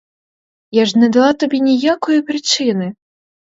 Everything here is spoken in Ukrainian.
Я ж не дала тобі ніякої причини!